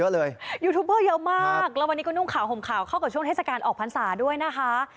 แล้ววันนี้ก็นุ่งข่าวห่มข่าวเข้ากับช่วงเทศกาลออกพรรษาด้วยนะคะ